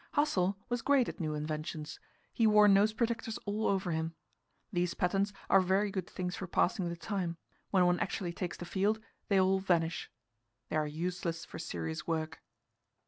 Hassel was great at new inventions; he wore nose protectors all over him. These patents are very good things for passing the time; when one actually takes the field, they all vanish. They are useless for serious work.